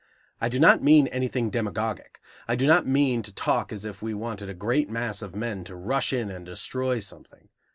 I do not mean anything demagogic; I do not mean to talk as if we wanted a great mass of men to rush in and destroy something.